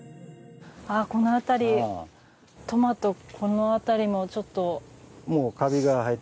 この辺りトマト、この辺りもちょっと。